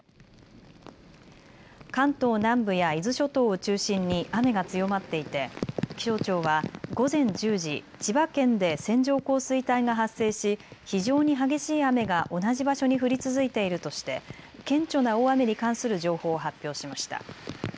関東南部や伊豆諸島を中心に雨が強まっていて、気象庁は午前１０時、千葉県で線状降水帯が発生し非常に激しい雨が同じ場所に降り続いているとして顕著な大雨に関する情報を発表しました。